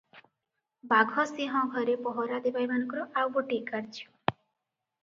ବାଘସିଂହ ଘରେ ପହରାଦେବା ଏମାନଙ୍କର ଆଉଗୋଟିଏ କାର୍ଯ୍ୟ ।